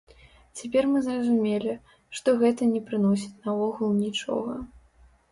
Цяпер мы зразумелі, што гэта не прыносіць наогул нічога.